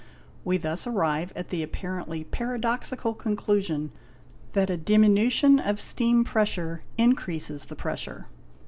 We thus arrive at the apparently paradoxical conclusion that a diminution of steam pressure increases the pressure.